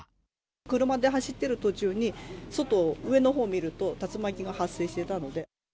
車で走ってる途中に、外を、上のほうを見ると、竜巻が発生していたので。